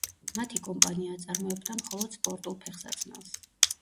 მათი კომპანია აწარმოებდა მხოლოდ სპორტულ ფეხსაცმელს.